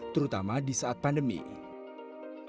terutama di saat penyelidikan